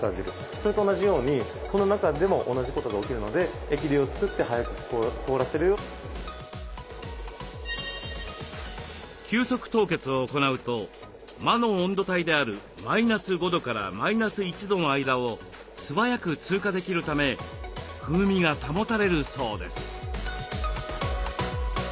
それと同じようにこの中でも同じことが起きるので急速凍結を行うと魔の温度帯であるマイナス５度からマイナス１度の間を素早く通過できるため風味が保たれるそうです。